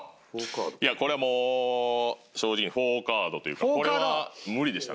いやこれはもう正直に４カードというかこれは無理でしたね。